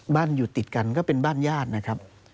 อยู่ติดกันก็เป็นบ้านญาตินะครับ